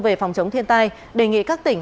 về phòng chống thiên tai đề nghị các tỉnh